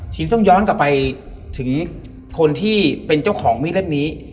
ต้องย้อนกลับไปถึงคนที่เป็นเจ้าของมีดเล่มนี้